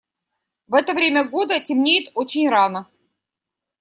В это время года темнеет очень рано.